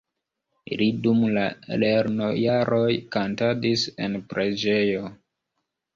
Li dum la lernojaroj kantadis en preĝejo.